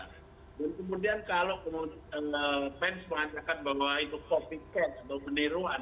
kemudian kalau pence mengatakan bahwa itu copycat atau peniruan